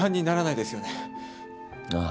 ああ。